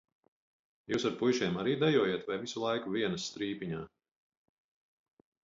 Jūs ar puišiem arī dejojat vai visu laiku vienas strīpiņā?